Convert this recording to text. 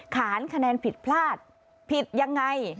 ขานคะแนนผิดพลาดผิดยังไง